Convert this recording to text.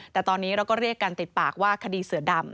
แต่ตอนนี้เราก็เรียกกันติดปากว่าคดีเสือดำ